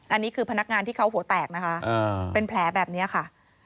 อันนี้คือพนักงานที่เขาหัวแตกนะคะเป็นแผลแบบนี้ค่ะ